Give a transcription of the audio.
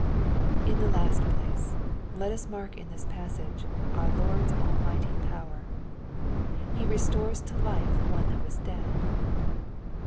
In the last place, let us mark in this passage, our LorcFs almighty potoer. He restores to life one that was dead.